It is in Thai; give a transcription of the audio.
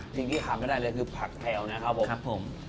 สิ่งที่คำก็ได้เลยคือผักแถวนะครับผม